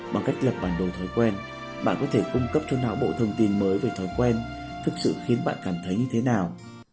bằng cách lập bản đồ thói quen bạn có thể cung cấp cho họ bộ thông tin mới về thói quen thực sự khiến bạn cảm thấy như thế nào